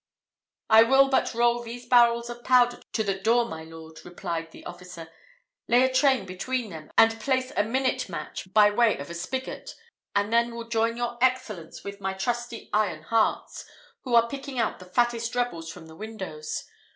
"I will but roll these barrels of powder to the door, my lord," replied the officer, "lay a train between them, and place a minute match by way of a spigot, and then will join your Excellence with my trusty iron hearts, who are picking out the fattest rebels from the windows.